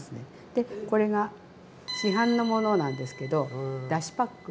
でこれが市販のものなんですけどだしパック。